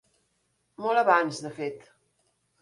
Molt abans, de fet.